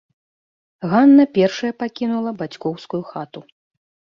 Ганна першая пакінула бацькоўскую хату.